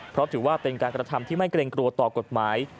เพราะถือว่าเป็นการกระทำที่ไม่เกรงกลัวต่อกฎหมาย